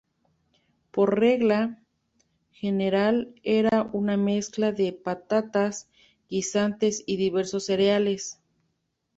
Por regla general era una mezcla de patatas, guisantes y diversos cereales.